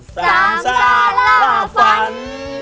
สามสารฟัน